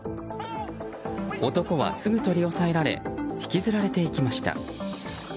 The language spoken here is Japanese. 男はすぐ取り押さえられ引きずられていきました。